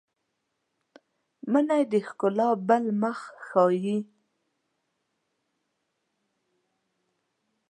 منی د ښکلا بل مخ ښيي